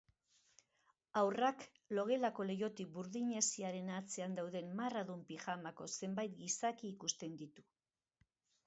Haurrak logelako leihotik burdin hesiaren atzean dauden marradun pijamako zenbait gizaki ikusten ditu.